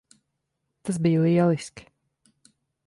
Tas bija lieliski.